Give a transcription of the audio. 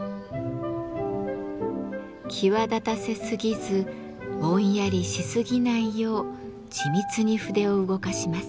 際立たせすぎずぼんやりしすぎないよう緻密に筆を動かします。